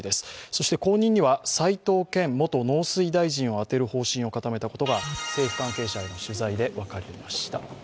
そして後任には斎藤健元農水大臣を充てることを固めたことが政府関係者への取材で分かりました。